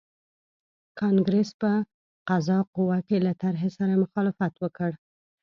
کانګریس په قضایه قوه کې له طرحې سره مخالفت وکړ.